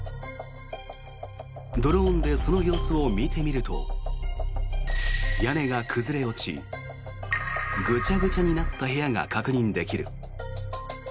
ドローンでその様子を見てみると屋根が崩れ落ちぐちゃぐちゃになった部屋が確認できる。